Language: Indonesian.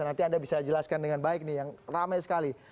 nanti anda bisa jelaskan dengan baik nih yang ramai sekali